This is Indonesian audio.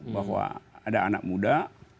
bahwa ada anak muda